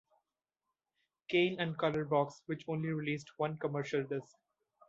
Kane and Colourbox, which only released one commercial disc.